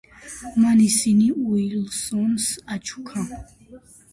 მან ისინი უილსონს აჩუქა.